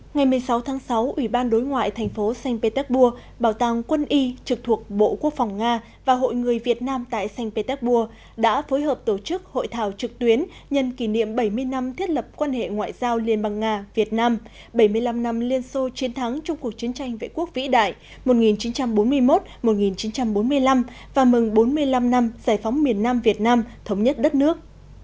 ngày một mươi sáu tháng sáu ủy ban đối ngoại thành phố st petersburg bảo tàng quân y trực thuộc bộ quốc phòng nga và hội người việt nam tại st petersburg đã phối hợp tổ chức hội thảo trực tuyến nhân kỷ niệm bảy mươi năm thiết lập quan hệ ngoại giao liên bang nga việt nam bảy mươi năm năm liên xô chiến thắng trong cuộc chiến tranh vệ quốc vĩ đại một nghìn chín trăm bốn mươi một một nghìn chín trăm bốn mươi năm và mừng bốn mươi năm năm giải phóng miền nam việt nam thống nhất đất nước